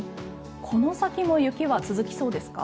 この先も雪は続きそうですか？